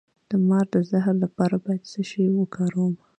د مار د زهر لپاره باید څه شی وکاروم؟